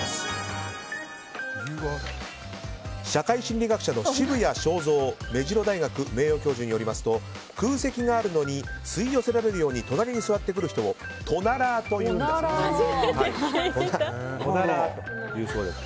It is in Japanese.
社会心理学者の渋谷昌三目白大学名誉教授によりますと空席があるのに吸い寄せられるように隣に座ってくる人のことをトナラーというんだそうです。